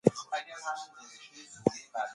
زده کړه ښځه په کورني سوداګرۍ باورمند کوي.